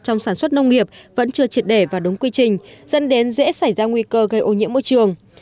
trong sản xuất nông nghiệp vẫn chưa triệt để và đúng quy trình dẫn đến dễ xảy ra nguy cơ gây ô nhiễm môi trường